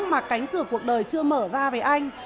mà cánh cửa cuộc đời chưa mở ra với anh